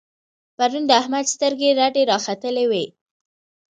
پرون د احمد سترګې رډې را ختلې وې.